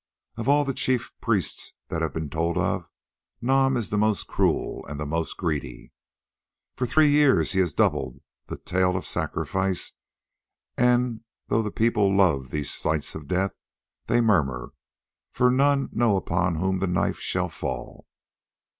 Of all the chief priests that have been told of, Nam is the most cruel and the most greedy. For three years he has doubled the tale of sacrifices, and though the people love these sights of death, they murmur, for none know upon whom the knife shall fall.